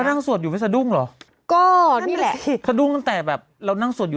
นั่งสวดอยู่ไม่สะดุ้งเหรอก็นี่แหละสะดุ้งตั้งแต่แบบเรานั่งสวดอยู่